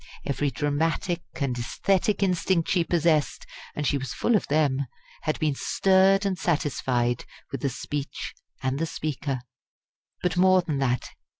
Every dramatic and aesthetic instinct she possessed and she was full of them had been stirred and satisfied by the speech and the speaker. But more than that.